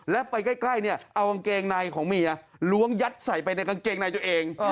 แล้วไปใกล้เนี่ยเอากางเกงในของเมียล้วงยัดใส่ไปในกางเกงในตัวเอง